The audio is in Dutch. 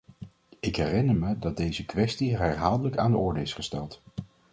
Ik herinner me dat deze kwestie herhaaldelijk aan de orde is gesteld.